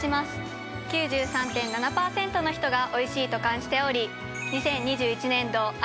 ９３．７％の人がおいしいと感じており２０２１年度